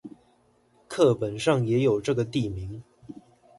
課本上也有這個地名